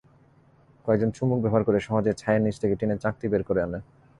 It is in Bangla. কয়েকজন চুম্বক ব্যবহার করে সহজেই ছাইয়ের নিচ থেকে টিনের চাকতি বের করে আনে।